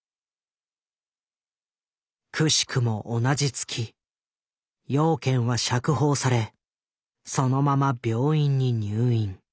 くしくも同じ月養賢は釈放されそのまま病院に入院。